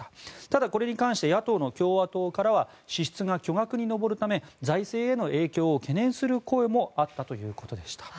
ただ、これに関して野党の共和党からは支出が巨額に上るため財政への影響を懸念する声もあったということでした。